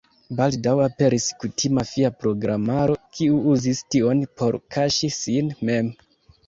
Baldaŭ aperis kutima fia programaro, kiu uzis tion por kaŝi sin mem.